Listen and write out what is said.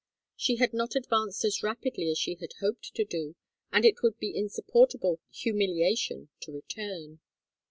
She had not advanced as rapidly as she had hoped to do, and it would be insupportable humiliation to return.